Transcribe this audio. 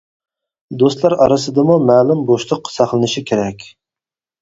دوستلار ئارىسىدىمۇ مەلۇم بوشلۇق ساقلىنىشى كېرەك.